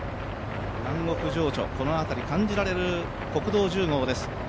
南国情緒、この辺り、感じられる国道１０号です